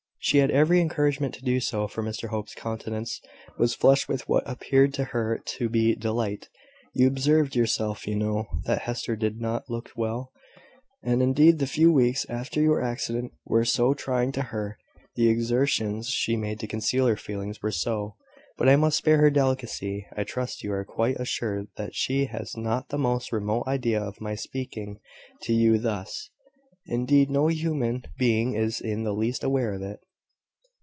She had every encouragement to do so, for Mr Hope's countenance was flushed with what appeared to her to be delight. "You observed, yourself, you know, that Hester did not look well; and indeed the few weeks after your accident were so trying to her, the exertions she made to conceal her feelings were so . But I must spare her delicacy. I trust you are quite assured that she has not the most remote idea of my speaking to you thus. Indeed, no human being is in the least aware of it."